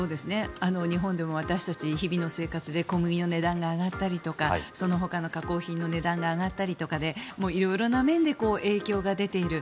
日本でも私たち日々の生活で小麦の値段が上がったりとかそのほかの加工品の値段が上がったりとかで色々な面で影響が出ている。